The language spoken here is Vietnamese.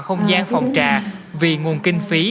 không gian phòng trà vì nguồn kinh phí